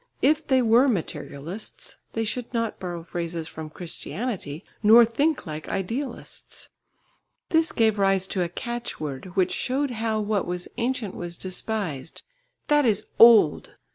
If they were materialists, they should not borrow phrases from Christianity, nor think like idealists. This gave rise to a catchword, which showed how what was ancient was despised "That is old!"